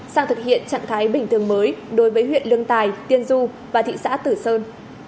sang thực hiện trạng thái bình thường mới đối với huyện lương tài tiên du và thị xã tử sơn